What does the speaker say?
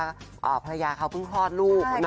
ภรรยาเขาเพิ่งคลอดลูก